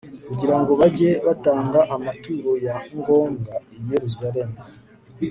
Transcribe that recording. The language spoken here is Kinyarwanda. kugira ngo bajye batanga amaturo ya ngombwa i yeruzalemu